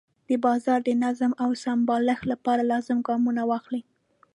د بازار د نظم او سمبالښت لپاره لازم ګامونه واخلي.